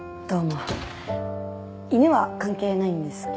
犬は関係ないんですけど。